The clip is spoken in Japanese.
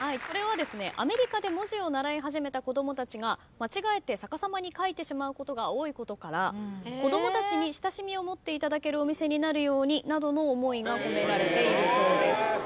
これはですねアメリカで文字を習い始めた子供たちが間違えて逆さまに書いてしまうことが多いことから子供たちに親しみを持っていただけるお店になるようになどの思いが込められているそうです。